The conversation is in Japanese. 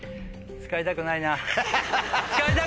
使いたくない。